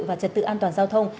và trật tự an toàn giao thông